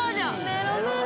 メロメロ